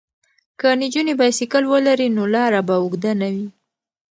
که نجونې بایسکل ولري نو لاره به اوږده نه وي.